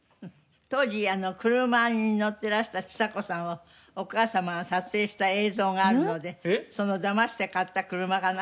当時車に乗ってらしたちさ子さんをお母様が撮影した映像があるのでそのだまして買った車かな？